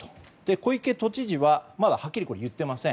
小池都知事はまだはっきり言っていません。